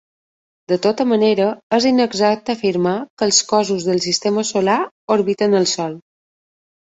De tota manera, és inexacte afirmar que els cossos del sistema solar orbiten el Sol.